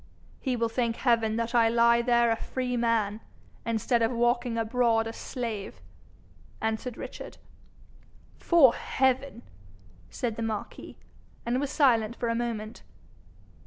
'He will thank heaven that I lie there a free man instead of walking abroad a slave,' answered Richard. ''Fore heaven!' said the marquis, and was silent for a moment.